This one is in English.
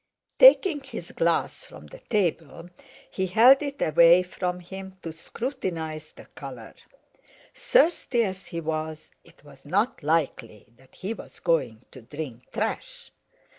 Taking his glass from the table, he held it away from him to scrutinize the colour; thirsty as he was, it was not likely that he was going to drink trash!